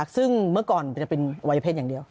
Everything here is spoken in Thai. ซึ่งเมื่อก่อนจะเป็นวัยเพศอย่างเดียว